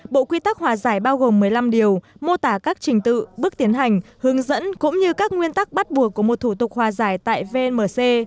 bộ quy tắc hòa giải bao gồm một mươi năm điều mô tả các trình tự bước tiến hành hướng dẫn cũng như các nguyên tắc bắt buộc của một thủ tục hòa giải tại vnmc